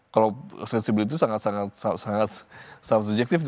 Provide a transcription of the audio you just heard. kalau sensibility sangat sangat subjektif